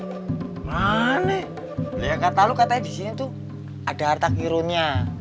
kata kata lu katanya disitu ada harta hirunya